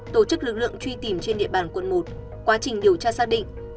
tổ chức lực lượng truy tìm trên địa bàn quận một quá trình điều tra xác định